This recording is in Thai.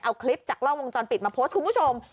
เอาคลิปจากกล้องวงจรปิดมาโพสต์คุณผู้ชม